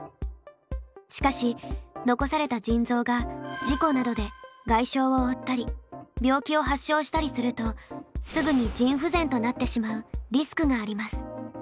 しかし残された腎臓が事故などで外傷を負ったり病気を発症したりするとすぐに腎不全となってしまうリスクがあります。